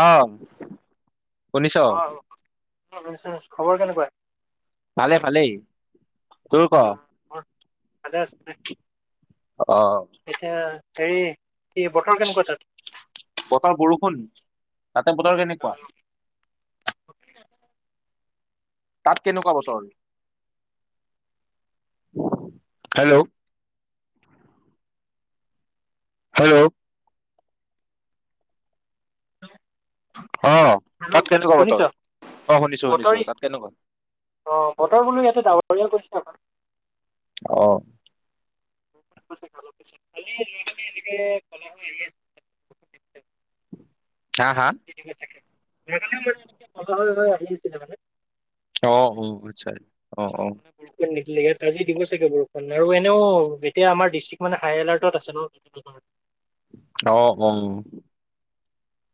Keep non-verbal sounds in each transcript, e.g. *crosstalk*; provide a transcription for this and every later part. অ। অ *unintelligible* খবৰ কেনেকুৱা? ভালে ভালেই, তোৰ অ, ক? মোৰ ভালে আছো *unintelligible* অ এতিয়া হেৰি কি বতৰ কেনেকুৱা তাত? বতৰ বৰষুণ তাতে বতৰ কেনেকুৱা? তাত কেনেকুৱা বতৰ হেল্ল'? হেল্ল'? অ তাত হেল্ল' কেনেকুৱা শুনিছ? বতৰ? অ শুনিছো বতৰ শুনিছো ই- তাত কেনেকুৱা? অ বতৰ বোলো ইয়াতে ডাৱৰীয়া কৰিছে অকণ। অ। *unintelligible* হা হা? *unintelligible* সেইকাৰণে মই *unintelligible* আহি আছিলো মানে। অ অ আচ্ছা, অ অ। ইয়াত নিদিলে ত আজি দিব চাগে বৰষুণ আৰু এনেও এতিয়া আমাৰ ডিষ্ট্ৰিক্ট মানে হাই এলাৰ্টত আছে ন। *unintelligible* অ অ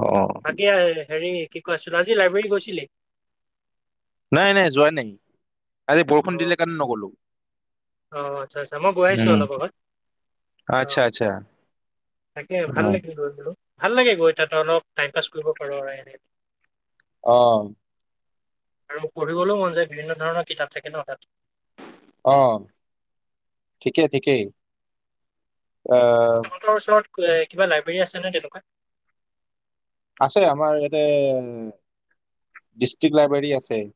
অ, অ। *unintelligible* হেৰি কি কয় আচি আজি লাইব্ৰেৰী গৈছিলি? নাই নাই যোৱা নাই, আজি বৰষুণ অ' দিলে কাৰণে নগ'লোঁ। অ আচ্ছা আচ্ছা, মই গৈ আহিছো উম অলপ আগত। অ, আচ্ছা আচ্ছা তাকে ভাল অ লাগিল *unintelligible* ভাল লাগে গৈ তাতে অলপ টাইম পাছ কৰিব পাৰো আৰু এনে। অ। আৰু পঢ়িবলৈও মন যায় বিভিন্ন ধৰণৰ কিতাপ থাকে ন তাত। অ, ঠিকেই ঠিকেই, অ তোমাৰ ওচৰত এ কিবা লাইব্ৰৰী আছে নে তেনেকুৱা? আছে আমাৰ ইয়াতে ডিষ্ট্ৰিক্ট লাইব্ৰেৰী আছে।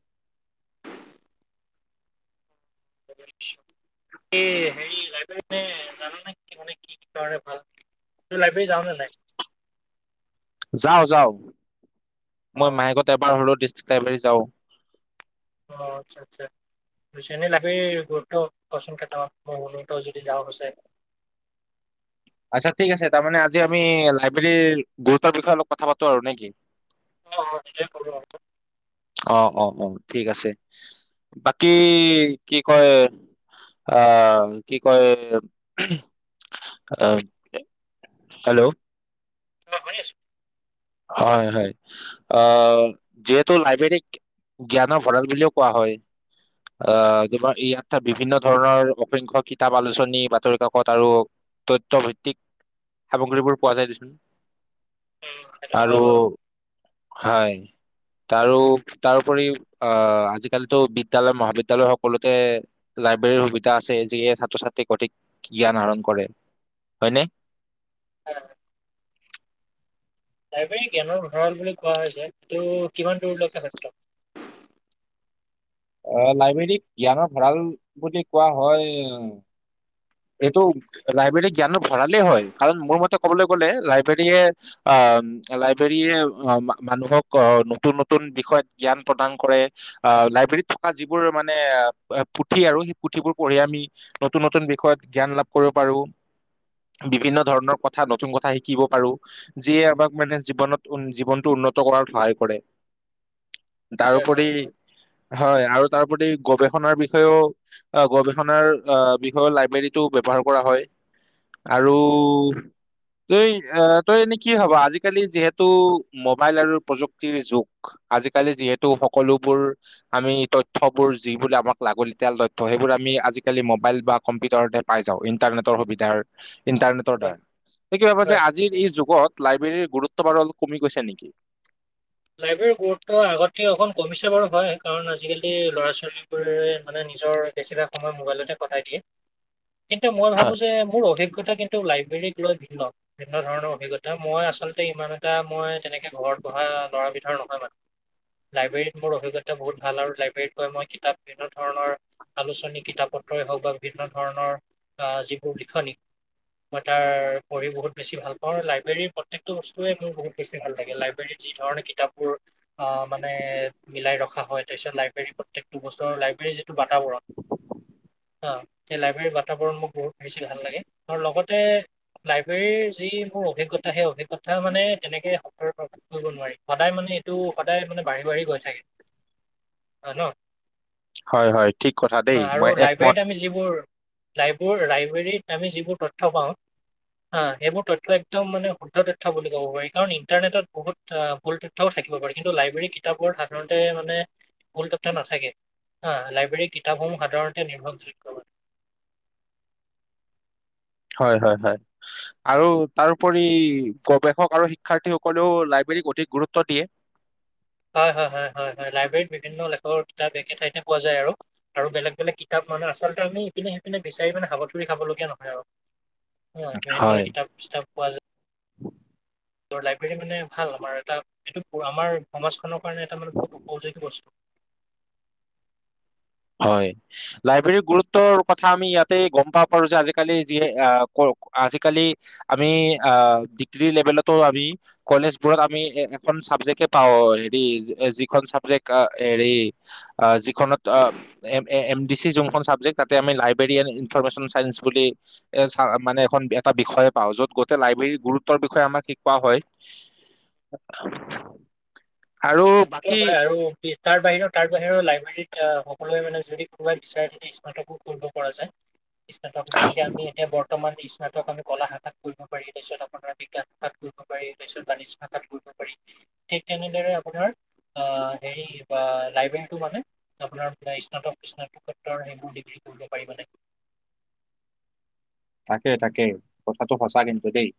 এ হেৰি লাইব্ৰেৰী মানে জানা নে কি মানে কি কাৰণে ভাল, তই লাইব্ৰেৰী যাও নে নাই? যাওঁ যাও, মই অ', মাহেকত এবাৰ হলও ডিষ্ট্ৰিক্ট লাইব্ৰেৰী যাওঁ। অ আচ্ছা আচ্ছা। পিছে এনে লাগি গুৰুত্ব কচোন কেইটামান মই হলোত যদি যাওঁ পিছে। আচ্ছা, ঠিক আছে। তাৰমানে, আজি আমি লাইব্ৰেৰীৰ গুৰুত্বৰ বিষয়ে অলপ কথা পাতোঁ আৰু নে কি? অ' অ'! তাকে কৰোঁ। অ' অ' অ'! ঠিক আছে। বাকী, কি কয়! আঁ কি কয়! অ'! হেল্ল'? অ'! শুনি আছোঁ। হয়, হয়! আঁ যিহেতু, লাইব্ৰেৰীক জ্ঞানৰ ভঁৰাল বুলিও কোৱা হয়। আঁ *unintelligible* ইয়াত বিভিন্ন ধৰণৰ অসংখ্য কিতাপ, আলোচনী, বাতৰিকাকত আৰু তথ্য ভিত্তিক সামগ্ৰীবোৰ পোৱা যায়, দেচোন। উম। সেইটো হয় আৰু বাৰু। হয়! তাৰো, তাৰোপৰি আঁ আজিকালিতো বিদ্যালয়, মহাবিদ্যালয় সকলোতে লাইব্ৰেৰীৰ সুবিধা আছে। যিয়ে, ছাত্ৰ-ছাত্ৰীক অধিক জ্ঞান আহৰণ কৰে। হয়নে? অ'! লাইব্ৰেৰী জ্ঞানৰ ভঁৰাল বুলি কোৱা হৈছে। এইটো কিমান দূৰলৈকে সত্য? অ'! লাইব্ৰেৰীক জ্ঞানৰ ভঁৰাল বুলি কোৱা হয়। এইটো লাইব্ৰেৰী জ্ঞানো ভঁৰালেই হয়। কাৰণ, মোৰ মতে, ক'বলৈ গ'লে লাইব্ৰেৰীয়ে অ'! লাইব্ৰেৰীয়ে অ'! মানুহক অ'! নতুন-নতুন বিষয়ত জ্ঞান প্ৰদান কৰে। অ'! লাইব্ৰেৰীত থকা যিবোৰ মানে, পুথি আৰু সেই পুথিবোৰ পঢ়ি আমি, নতুন-নতুন বিষয়ত জ্ঞান লাভ কৰিব পাৰোঁ। বিভিন্ন ধৰণৰ কথা, নতুন কথা শিকিব পাৰোঁ। যিয়ে আমাক মানে জীৱনত, *unintelligible* জীৱনটো উন্নত কৰাত সহায় কৰে। *inaudible* তাৰোপৰি, হয় হয়! আৰু তাৰোপৰি গৱেষণাৰ বিষয়েও অ'! গৱেষণাৰ অ'! বিষয়ে লাইব্ৰেৰী টো ব্যৱহাৰ কৰা হয়। আৰু তই আঁ তই এনেই কি ভাব? আজিকালি, যিহেতু মোবাইল আৰু প্ৰযুক্তিৰ যুগ। আজিকালি, যিহেতু সকলোবোৰ আমি তথ্যবোৰ, যি বোলে আমাক লাগতিয়াল তথ্য, সেইবোৰ আমি, আজিকালি মোবাইল বা কম্পিউটাৰ পাই যাওঁ। ইণ্টাৰনেটৰ সুবিধাৰ ইণ্টাৰনেটৰ হয় দ্বাৰা। *unintelligible* ভাবে হয়। যে, আজিৰ এই যুগত, লাইব্ৰেৰীৰ গুৰু ত্ব বাৰু *unintelligible* কমি গৈছে নেকি? লাইব্ৰেৰীৰ গুৰুত্ব আগতকে অকণ কমিছে বাৰু। হয়! কাৰণ, আজিকালি ল'ৰা-ছোৱালীবোৰে মানে, নিজৰ বেছিভাগ সময় মোবাইলতে কটাই দিয়ে। কিন্তু, মই ভাবোঁ হয় যে, মোৰ অভিজ্ঞতা কি ন্তু, লাইব্ৰেৰীক লৈ বিভিন্ন, বিভিন্ন ধৰণৰ অভিজ্ঞতা। মই আচলতে ইমান এইয়া মই তেনেকে ঘৰত বহা বিধৰ নহয় মানে। লাইব্ৰেৰীত মোৰ অভিজ্ঞতা বহুত ভাল! আৰু লাইব্ৰেৰীত গৈ মই কিতাপ বিভিন্ন ধৰণৰ আলোচনী, কিতাপ-পত্ৰই হওঁক বা বিভিন্ন ধৰণৰ আঁ যিবোৰ লিখনি মই তাৰ, পঢ়ি বহুত বেছি ভাল পাওঁ! লাইব্ৰেৰীৰ প্ৰত্যেকটো বস্তুৱেই, মোৰ বহুত বেছি ভাল লাগে! লাইব্ৰেৰীত যি ধৰণে কিতাপবোৰ, আঁ মানে, মিলাই ৰখা হয়। তাৰপিছত, লাইব্ৰেৰী প্ৰত্যেকটো বস্তু লাইব্ৰেৰী যি টো বাতাবৰণ! *inaudible* অ'! এই, লাইব্ৰেৰীৰ বাতাবৰণ মোৰ বহুত বেছি ভাল লাগে! আৰু লগতে লাইব্ৰেৰীৰ যি মোৰ অভিজ্ঞতা সেই অভিজ্ঞতা মানে তেনেকে প্ৰকাশ কৰিব নোৱাৰি। সদায় মানে এইটো সদায় মানে বাঢ়ি বাঢ়ি গৈ থাকে হয় ন। হয় হয় ঠিক কথা দেই হয় আৰু মই একমত লাইব্ৰেৰীত আমি যিবোৰ লাইবোৰ লাইব্ৰেৰীত আমি যিবোৰ তথ্য পাওঁ হা সেইবোৰ তথ্য একদম মানে শুদ্ধ তথ্য বুলি ক'ব পাৰি কাৰণ ইণ্টাৰনেটত বহুত আ মূল তথ্যও থাকিব পাৰে কিন্তু লাইব্ৰেৰী কিতাপত সাধাৰণতে মানে মূল তথ্য নাথাকে। হা লাইব্ৰেৰীৰ কিতাপসমূহ সাধাৰণতে নিৰ্ভৰযোগ্য। হয় হয় হয়। আৰু তাৰওপৰি গৱেষক আৰু শিক্ষাৰ্থীসকলেও লাইব্ৰেৰীক অধিক গুৰুত্ব দিয়ে। হয় হয় হয় হয় হয়, লাইব্ৰেৰীত বিভিন্ন লেখকৰ কিতাপ একে ঠাইতে পোৱা যায় আৰু। আৰু বেলেগ বেলেগ কিতাপ মানে আচলতে আমি ইপিনে সিপিনে বিচাৰি মানে হাবাথুৰি খাবলগীয়া নহয় আৰু। হয় বিভিন্ন কিতাপ - চিতাপ পোৱা য তৰ লাইব্ৰেৰী মানে ভাল আমাৰ এটা এইটো আমাৰ সমাজখনৰ কাৰণে এটা মানে বহুত উপযোগী বস্তু। হয়। লাইব্ৰেৰীৰ গুৰুত্বৰ কথা আমি ইয়াতেই গম পাব পাৰো যে আজিকালি যি আ পৰ আজিকালি আমি আ ডিগ্ৰী লেভেলতো আমি কলেজবোৰত আমি এ এখন চাবজেক্টে পাওঁ হেৰি যি এ যিখন চাবজেক্ট আ হেৰি অ যিখনত অ M A M D C যোনখন চাবজেক্ট তাতে আমি লাইব্ৰেৰী এণ্ড ইনফৰৰ্মেশ্যন চাইন্স বুলি এ চা মানে এখন এটা বিষয়ে পাও য'ত গোটেই লাইব্ৰেৰীৰ গুৰুত্বৰ বিষয়ে আমাক শিকোৱা হয়। *unintelligible* হয় হয় সেইটো বাকী হয় আৰু কি তাৰ বাহিৰে তাৰ বাহিৰেও লাইব্ৰেৰীত আ সকলোৱে মানে যদি কোনোবাই বিচাৰে যদি স্নাতকো কৰিব পৰা যায়, স্নাতক যেনেকে আমি এতিয়া বৰ্তমান স্নাতক আমি কলা শাখা কৰিব পাৰি তাৰপিছত আপোনাৰ বিজ্ঞান শাষাত কৰিব পাৰি তাৰপিছত বাণিজ্য শাষাত কৰিব পাৰি। ঠিক তেনেদৰে আপোনাৰ অ অ হেৰি বা লাইব্ৰেৰীটো মানে আপোনাৰ স্নাতক স্নাতকোতৰ সেইবোৰ ডিগ্ৰী বুজিব পাৰিব নে? তাকে তাকে কথাটো সঁচা কিন্তু দেই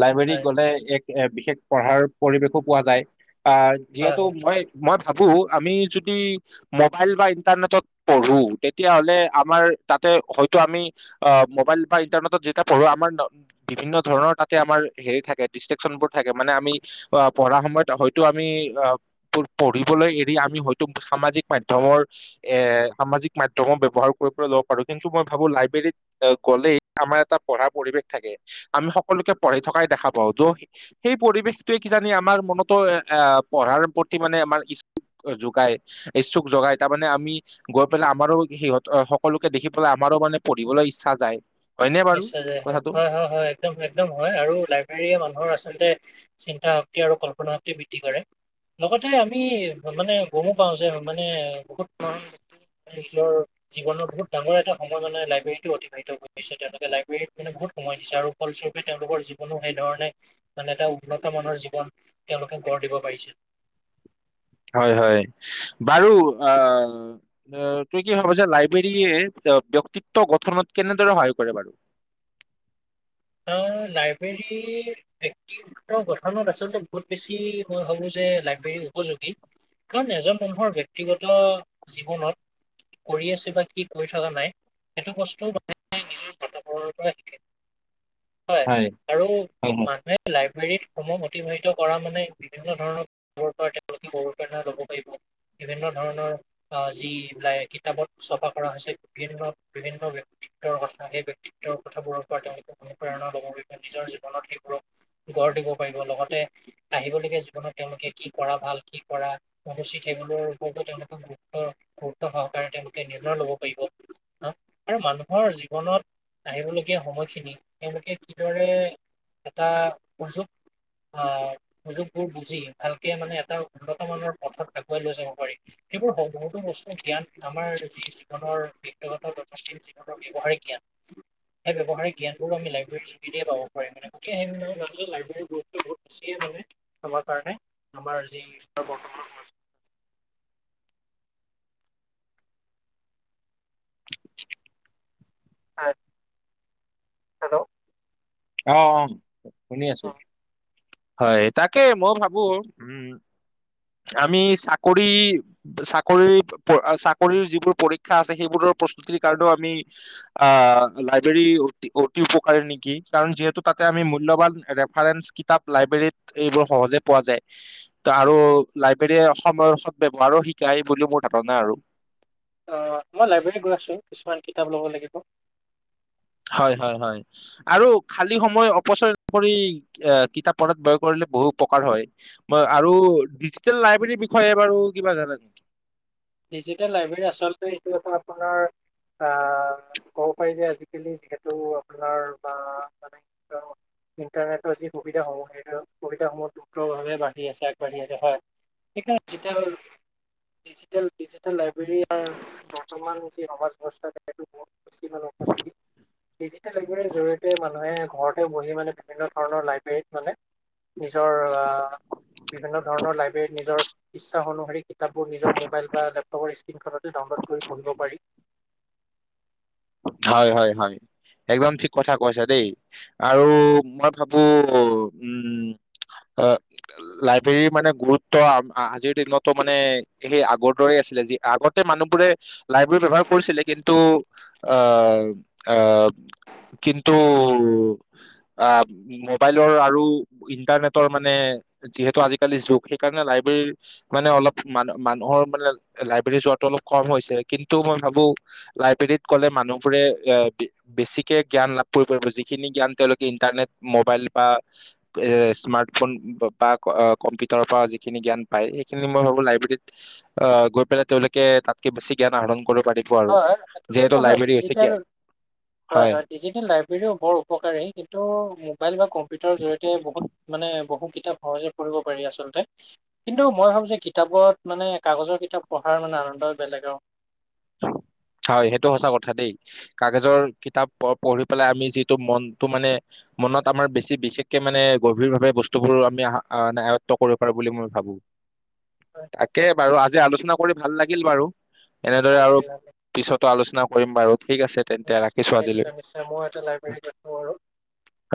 লাইব্ৰেৰীত হয় গ'লে এক এ বিশেষ পঢ়াৰ পৰিবেশো পোৱা যায় আহ হয় যিহেতু হয় মই মই ভাবো আমি যদি মোবাইল বা ইণ্টাৰনেটত পঢ়ো তেতিয়া হলে আমাৰ তাতে হয়তো আমি অ', মোবাইল বা ইন্টাৰনেটত যেতিয়া পঢ়ো আমাৰ ন বিভিন্ন ধৰণৰ তাতে আমাৰ হেৰি থাকে, ডিষ্টেকশনবোৰ থাকে মানে আমি অ পঢ়াৰ সময়ত হয়তো আমি আহ প পঢ়িবলৈ এৰি আমি হয়তো সামাজিক মাধ্যমৰ এ সামাজিক মাধ্যমৰ ব্যৱহাৰ কৰিবলৈ ল'ব পাৰো কিন্তু মই ভাবো লাইব্ৰেৰীত এ গ'লেই আমাৰ এটা পঢ়া পৰিৱেশ থাকে, আমি সকলোকে পঢ়ি থকাই দেখা পাওঁ ত সেই পৰিৱেশটোৱে কিজানি আমাৰ মনতো এ আহ পঢ়াৰ প্ৰতি মানে আমাৰ ইচ অ জোগাই, ইচ্ছুক জোগাই তাৰমানে আমি গৈ পেলাই আমাৰো সিহঁত সকলোকে দেখি পেলাই আমাৰো মানে পঢ়িবলৈ ইচ্ছা যায়। হয়নে বাৰু নিশ্চয় যায় হয়, কথাটো হয় হয় হয়। একদম একদম হয় আৰু লাইব্ৰেৰীয়ে মানুহৰ আচলতে চিন্তা শক্তি আৰু কল্পনা শক্তি বৃদ্ধি কৰে। লগতে আমি মানে গমো পাও যে মানে বহুত *unintelligible* নিজৰ জীৱনৰ বহুত ডাঙৰ এটা সময় মানে লাইব্ৰেৰীটো অতিবাহিত কৰিছে। তেওঁলোকে লাইব্ৰেৰীত মানে বহুত সময় দিছে আৰু ফলস্বৰূপে তেওঁলৰ জীৱনো সেই ধৰণে মানে এটা উন্নত মানৰ জীৱন তেওঁলোকে গঢ় দিব পাৰিছে। হয়, হয় বাৰু আ- অঁ, তুমি কি ভাবা যে লাইব্ৰেৰীয়ে ব্যক্তিত্ব গঠনত কেনেদৰে সহায় কৰে বাৰু? অঁ লাইব্ৰেৰীয়ে ব্যক্তি- গঠনত আচলতে বহুত বেছি মই ভাবো যে লাইব্ৰেৰী উপযোগী। কাৰণ এজন মানুহৰ ব্যক্তিগত জীৱনত- কৰি আছে বা কি কৰি থকা নাই সেইটো বস্তু মানে নিজৰ পৰিয়ালৰ পৰা শিকে। হয় আৰু হয় হয় মানুহে লাইব্ৰেৰীত সমূহ অতিবাহিত কৰা মানে বিভিন্ন ধৰণৰ- তেওঁলোকে *unintelligible* লব পাৰিব বিভিন্ন ধৰণৰ- আহ যি কিতাপত চপা কৰা হৈছে বিভিন্ন বিভিন্ন ব্যক্তিত্বৰ কথা। সেই ব্যক্তিত্ব- তেওঁৰ কথাবোৰৰ পৰা তেওঁলোকে অনুপ্ৰেৰণা লব পাৰিব, নিজৰ জীৱনত সেইবোৰক- গঢ় দিব পাৰিব লগতে আহিবলগীয়া জীৱনত তেওঁলোকে কি কৰা ভাল, কি কৰা- অনুচিত সেইবোৰৰ ওপৰতো তেওঁলোকে গুৰুত্ব গুৰুত্ব সহকাৰে তেওঁলোকে নিৰ্ণয় লব পাৰিব। আৰু মানুহৰ জীৱনত আহিবলগীয়া সময়খিনি- তেওঁলোকে কিদৰে এটা সুযোগ- আহ সুযোগবোৰ বুজি ভালকে মানে এটা উন্নতমানৰ পথত আগুৱাই লৈ যাব পাৰি। সেইবোৰ বহুতো বস্তু জ্ঞান আমাৰ যি জীৱনৰ ব্যক্তিগত *unintelligible* ব্যৱহাৰিক জ্ঞান, সেই ব্যৱহাৰিক জ্ঞান- আমি লাইব্ৰেৰী যোগেদি পাব পাৰি *unintelligible* তোমাৰ কাৰণে আমাৰ যি বৰ্তমান- হেল্ল'। অঁ, অঁ শুনি আছোঁ। হয়, তাকে মই ভাবো উম, আমি চাকৰি- চাকৰি চাকৰিৰ যিবোৰ পৰীক্ষা আছে সেইবোৰৰ প্ৰস্তুতিৰ কাৰণেও আমি- আ লাইব্ৰেৰী- অতি উপকাৰে নেকি। কাৰণ যিহেতু তাতে আমি মূল্যবান ৰেফাৰেন্স- কিতাপ লাইব্ৰেৰীত এইবোৰ সহজে পোৱা যায়। ত আৰু লাইব্ৰেৰীয়ে অসমৰ ব্যৱহাৰ শিকায় বুলিও মোৰ ধাৰণা আৰু। অঁ, মই লাইব্ৰেৰী গৈ আছোঁ কিছুমান কিতাপ ল'ব লাগিব। হয়, হয়, হয়। আৰু খালী সময় অপচয় নকৰি এ কিতাপ পঢ়াত ব্যয় কৰিলে বহু উপকাৰ হয়। মই আৰু ডিজিটেল লাইব্ৰেৰীৰ বিষয়ে বাৰু কিবা জানা নেকি? ডিজিটেল লাইব্ৰেৰী আচলতে এইটো এটা আপোনাৰ- আহ ক'ব পাৰি যে আজিকালি যিহেতু আপোনাৰ বা মানে কি কয় - ইণ্টাৰনেটৰ যি সুবিধাসমূহ সেইটো সুবিধাসমূহ দ্ৰুতভাৱে বাঢ়ি আছে, আগবাঢ়ি আছে হয়। *unintelligible* ডিজিটেল ডিজিটেল লাইব্ৰেৰীয়াৰ বৰ্তমান যি সমাজ ব্যৱস্থা সেইটো বহুত- *unintelligible* ডিজিটেল লাইব্ৰেৰীৰ জৰিয়তে মানুহে ঘৰতে বহি মানে বিভিন্ন ধৰণৰ লাইব্ৰেৰীত মানে- নিজৰ আ- বিভিন্ন ধৰণৰ লাইব্ৰেৰীত নিজৰ ইচ্ছা অনুসৰি কিতাপবোৰ নিজৰ- মোবাইল বা লেপটপৰ স্ক্ৰীণখনতে ডাউনলোড কৰি পঢ়িব পাৰি। হয়, হয়, হয় একদম ঠিক কথা কৈছা। দেই আৰু মই ভাবো উম অঁ- লাইব্ৰেৰীৰ মানে গুৰুত্ব আজিৰ দিনতো মানে সেই আগৰ দৰেই আছিলে। যি আগত- গোটেই মানুহবোৰে লাইব্ৰেৰী ব্যৱহাৰ কৰিছিলে কিন্তু আহ আহ কিন্তু আ মোবাইলৰ আৰু ইণ্টাৰনেটৰ মানে যিহেতু আজিকালি যুগ সেইকাৰণে লাইব্ৰেৰীৰ মানে অলপ মান মানুহৰ মানে লাইব্ৰেৰী যোৱাটো অলপ কম হৈছে কিন্তু মই ভাবো লাইব্ৰেৰীত গলে মানুহবোৰে এ দি বেছিকে জ্ঞান লাভ কৰিব পাৰিব যিখিনি জ্ঞান তেওঁলোকে ইন্টাৰনেট মোবাইল বা এ স্মাৰ্টফোন ব বা ক আ কম্পিউটাৰৰ পৰা যিখিনি জ্ঞান পায় সেইখিনি মই ভাবো লাইব্ৰেৰীত অ গৈ পেলাই তেওঁলোকে তাতকে বেছি জ্ঞান আহৰণ কৰিব পাৰি। হয় এইটো এইটো হয়, ডিজিটেল হয় হয় ডিজিটেল লাই ব্ৰেৰিও বৰ উপকাৰী কিন্তু মোবাইল বা কম্পিউটাৰৰ জৰিয়তে বহুত মানে বহু কিতাপ হয় যে ফুৰিব পাৰি আচলতে। কিন্তু মই ভাবো যে কিতাপত মানে কাগজৰ কিতাপ পঢ়াৰ মানে আনন্দই বেলেগ আৰু। হয় সেইটো সঁচা কথা দেই। কাগজৰ কিতাপ প পঢ়ি পেলাই আমি যিটো মনটো মানে মনত আমাৰ বেছি বিশেষকে মানে গভীৰভাৱে বস্তুবোৰ আমি আহা আ আয়ত্ব কৰিব পাৰো বুলি মই ভাবো। *inaudible* তাকে বাৰু, আজি আলোচনা কৰি ভাল লাগিল বাৰু। দৰে ভাল আৰু লাগিল, ভাল লাগিল পিছতো আলোচনা কৰিম বাৰু ঠিক আছে। তেন্তে নিশ ৰাখিছো আজিলৈ নিশ্চয় নিশ্চয়, মই এটা লাইব্ৰেৰীত আছো আৰু।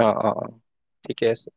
অ অ অ ঠিকে আছে।